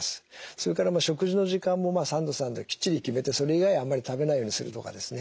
それから食事の時間も三度三度きっちり決めてそれ以外あんまり食べないようにするとかですね。